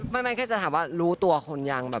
ไม่แค่จะถามว่ารู้ตัวคนยังแบบ